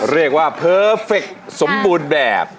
เรียกว่าเพอร์เฟคสมบูรณ์แบบ